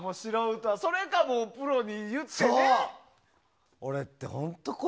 それか、プロに言ってね。